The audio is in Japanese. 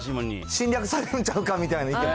侵略されるんちゃうかみたいな意見も。